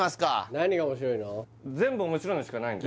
何が面白いの？